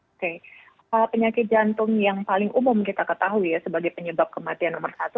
oke penyakit jantung yang paling umum kita ketahui ya sebagai penyebab kematian nomor satu